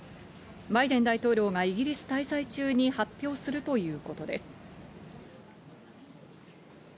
バイデン大統領がイギリス滞在中に発表するということです。